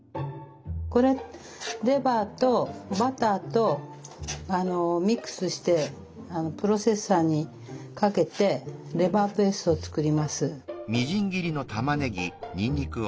これレバーとバターとミックスしてプロセッサーにかけてレバーペーストを作ります。